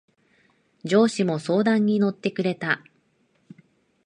上司も相談に乗ってくれた。